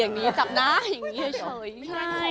บางทีเค้าแค่อยากดึงเค้าต้องการอะไรจับเราไหล่ลูกหรือยังไง